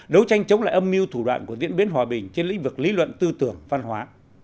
đấu tranh chống lại âm mưu thủ đoạn của diễn biến hòa bình trên lĩnh vực lý luận tư tưởng văn hóa